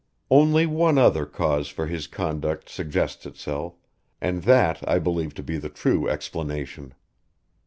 Only one other cause for his conduct suggests itself, and that I believe to be the true explanation.